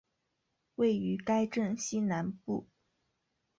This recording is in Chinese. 位于该镇西南部。